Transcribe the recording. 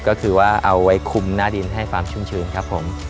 ก็คือว่าเอาไว้คุมหน้าดินให้ความชุ่มชื้นครับผม